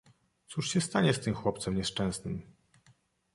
Cóż się stanie z tym chłopcem nieszczęsnym!